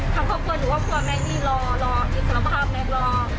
ทำครอบครัวถือว่าครอบครัวแม่นี่รอรออิสระภาพแม่งรอ